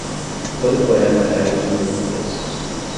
Todo poema é ouvido uma vez.